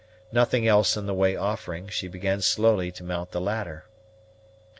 Nothing else in the same way offering, she began slowly to mount the ladder.